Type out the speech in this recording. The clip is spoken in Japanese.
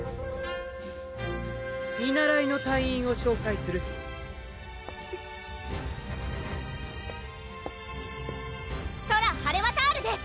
見習いの隊員を紹介するソラ・ハレワタールです！